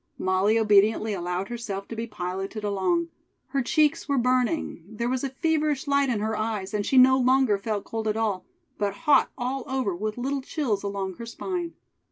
Molly obediently allowed herself to be piloted along. Her cheeks were burning; there was a feverish light in her eyes, and she no longer felt cold at all, but hot all over with little chills along her spine.